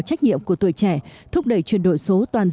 trách nhiệm của tuổi trẻ thúc đẩy chuyển đổi số toàn dân